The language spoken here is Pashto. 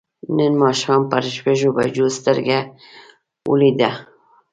نن ماښام پر شپږو بجو سترګه ولوېده.